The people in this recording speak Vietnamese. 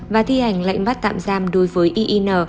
và thi hành lệnh bắt tạm giam đối với iin